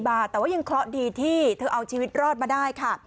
บาทแต่ว่ายังเคราะห์ดีที่เธอเอาชีวิตรอดมาได้ค่ะ